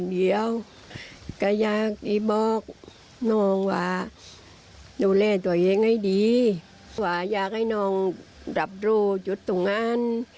ดีว่าอยากให้น้องรับรูหยุดตรงนั้น